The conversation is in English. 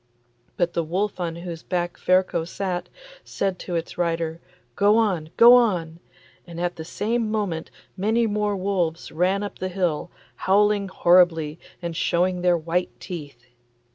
But the wolf on whose back Ferko sat, said to its rider, 'Go on! go on!' and at the same moment many more wolves ran up the hill, howling horribly and showing their white teeth.